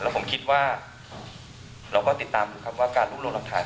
แล้วผมคิดว่าเราก็ติดตามครับว่าการรุ่มรวมรับฐาน